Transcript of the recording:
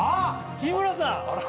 日村さんは